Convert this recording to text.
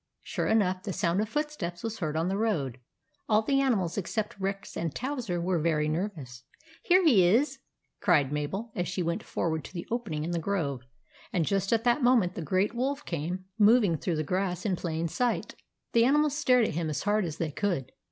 Sure enough, the sound of footsteps was heard on the road. All the animals except Rex and Towser were very nervous. 11 Here he is," cried Mabel, as she went forward to the opening in the grove ; and just at that moment the great Wolf came moving through the grass in plain sight. The animals stared at him as hard as they could.